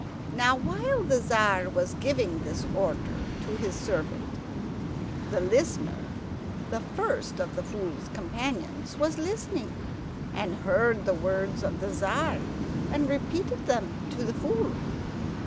Now, while the Tzar was giving this order to his servant, the Listener, the first of the Fool's companions, was listening, and heard the words of the Tzar and repeated them to the Fool.